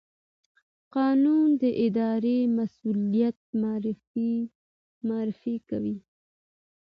قانون د اداري مسوولیت تعریف کوي.